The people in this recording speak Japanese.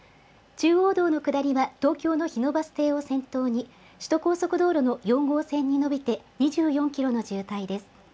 中央道の下りは東京の日野バス停を先頭に、首都高速道路の４号線に延びて２４キロの渋滞です。